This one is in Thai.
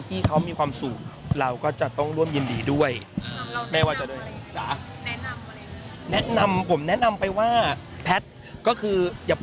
ก็เข้าตึกซักหน่อยซักซักนะคะจะลงกลับไม่ตรงไปได้เนี่ย